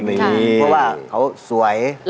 เพราะว่าเขาสวย